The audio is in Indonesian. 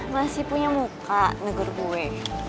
masih punya muka negur gue